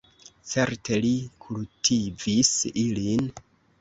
Certe li kultivis ilin.